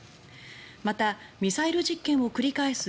また、ミサイル実験を繰り返す